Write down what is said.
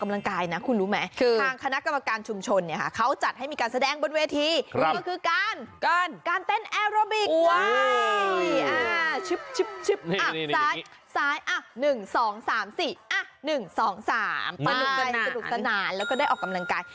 แล้วก็ได้กำลังกาย